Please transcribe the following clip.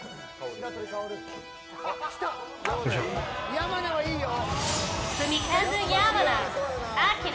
山名はいいよ。